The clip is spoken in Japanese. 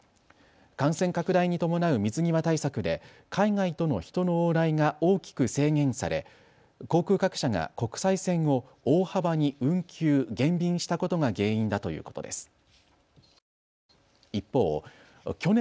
感染拡大に伴う水際対策で海外との人の往来が大きく制限され航空各社が国際線を大幅に運休、減便したことが原因だということです。